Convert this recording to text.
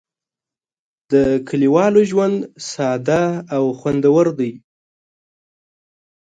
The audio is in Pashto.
د کلیوالو ژوند ساده او خوندور دی.